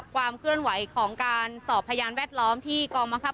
ความเคลื่อนไหวของการสอบพยานแวดล้อมที่กองบังคับ